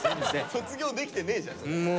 卒業できてねえじゃんそれ。